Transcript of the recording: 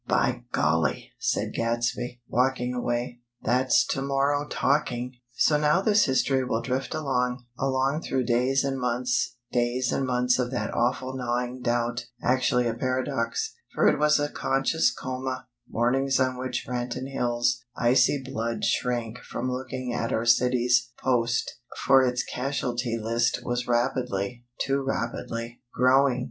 "By golly!" said Gadsby, walking away, "that's Tomorrow talking!" So now this history will drift along; along through days and months; days and months of that awful gnawing doubt; actually a paradox, for it was a "conscious coma;" mornings on which Branton Hills' icy blood shrank from looking at our city's "Post," for its casualty list was rapidly too rapidly, growing.